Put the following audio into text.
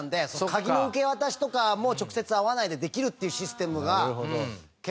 鍵の受け渡しとかも直接会わないでできるっていうシステムが結構あるんで。